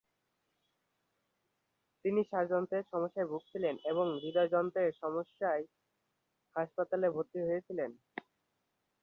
তিনি শ্বাসযন্ত্রের সমস্যায় ভুগছিলেন এবং হৃদযন্ত্রের সমস্যায় হাসপাতালে ভর্তি হয়েছিলেন।